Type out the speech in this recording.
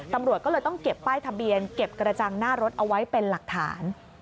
ตำรวจก็เลยต้องเก็บป้ายทะเบียนเก็บกระจังหน้ารถเอาไว้เป็นหลักฐาน